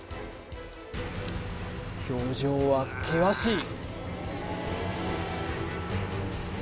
表情は険しい